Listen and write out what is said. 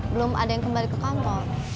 belum ada yang kembali ke kantor